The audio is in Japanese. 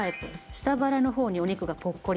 下腹の方にお肉がポッコリ。